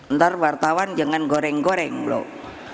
ntar wartawan jangan goreng goreng loh